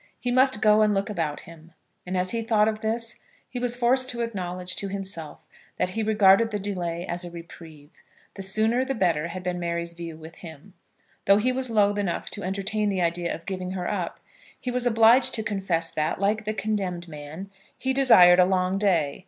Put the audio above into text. He must go and look about him; and as he thought of this he was forced to acknowledge to himself that he regarded the delay as a reprieve. The sooner the better had been Mary's view with him. Though he was loath enough to entertain the idea of giving her up, he was obliged to confess that, like the condemned man, he desired a long day.